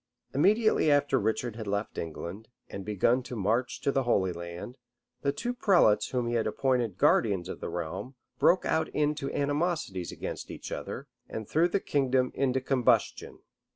Immediately after Richard had left England, and begun his march to the Holy Land, the two prelates whom he had appointed guardians of the realm, broke out into animosities against each other, and threw the kingdom into combustion.